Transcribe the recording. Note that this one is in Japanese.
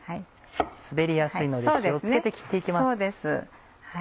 滑りやすいので気を付けて切って行きます。